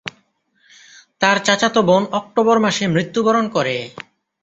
তার চাচাতো বোন অক্টোবর মাসে মৃত্যুবরণ করে।